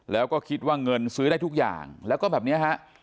แล้วก็คิดว่าเงินซื้อได้ทุกอย่างแล้วก็แบบนี้ฮะ